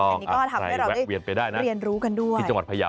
อันนี้ก็ทำให้เราได้เรียนรู้กันด้วย